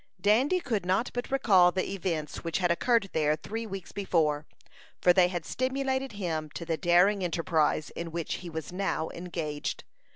Dandy could not but recall the events which had occurred there three weeks before, for they had stimulated him to the daring enterprise in which he was now engaged.